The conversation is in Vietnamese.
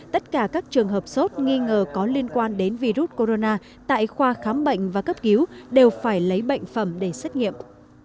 tất cả các trường hợp sốt nghi ngờ có liên quan đến virus corona tại khoa khám bệnh và cấp cứu đều phải lấy bệnh phẩm để xét nghiệm